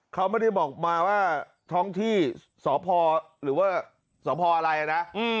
เขาไม่ได้บอกมาว่าท้องที่สพหรือว่าสพอะไรนะ